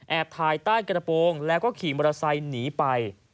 แอบถ่ายใต้กระโปรงแล้วก็ขี่มรสัยหนีไป